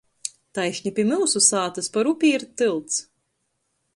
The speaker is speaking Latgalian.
Taišni pi myusu sātys par upi ir tylts.